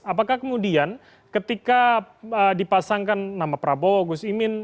apakah kemudian ketika dipasangkan nama prabowo gus imin